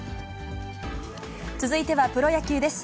続いてはプロ野球です。